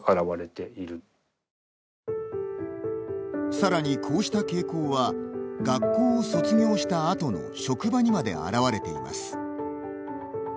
さらにこうした傾向は学校を卒業した後の職場にまで現れています。